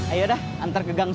ayo dah antar ke gang